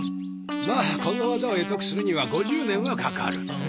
まあこの技を会得するには５０年はかかる。